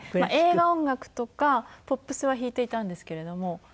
映画音楽とかポップスは弾いていたんですけれども。